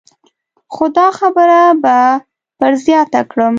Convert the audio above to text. خو دا خبره به پر زیاته کړم.